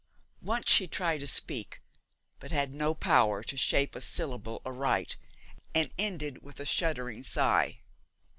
Once she tried to speak, but had no power to shape a syllable aright, and ended with a shuddering sigh.